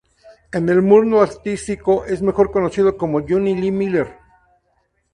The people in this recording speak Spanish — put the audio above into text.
En el mundo artístico es mejor conocido como Jonny Lee Miller.